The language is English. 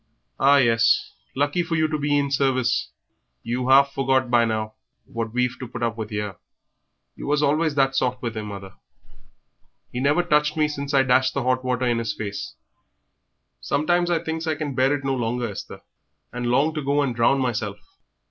Ah, yes, lucky for you to be in service; you've half forgot by now what we've to put up with 'ere." "You was always that soft with him, mother; he never touched me since I dashed the hot water in his face." "Sometimes I thinks I can bear it no longer, Esther, and long to go and drown meself.